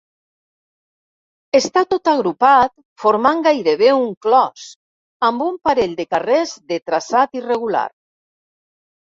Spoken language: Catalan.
Està tot agrupat, formant gairebé un clos, amb un parell de carrers de traçat irregular.